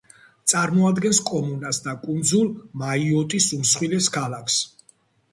წარმოადგენს კომუნას და კუნძულ მაიოტის უმსხვილეს ქალაქს.